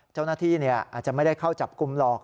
เจ้าหน้าที่อาจจะไม่ได้เข้าจับกลุ่มหรอก